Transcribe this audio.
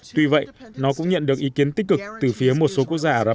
tuy vậy nó cũng nhận được ý kiến tích cực từ phía một số quốc gia ả rập